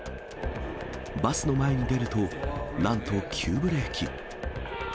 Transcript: バスの前に出ると、なんと急ブレーキ。